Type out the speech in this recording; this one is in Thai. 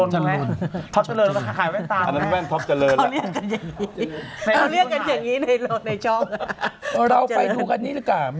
เจริญท็อปเจริญถ้าขายเว้นตาม